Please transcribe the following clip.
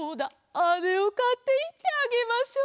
あれをかっていってあげましょう。